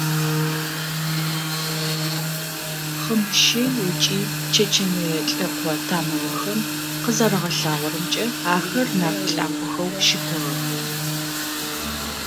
Хъымыщэй ыкӏи чэчэнэе лӏэкъо тамыгъэхэм къызэрагъэлъагъорэмкӏэ, ахэр нарт лӏакъохэу щытыгъэх.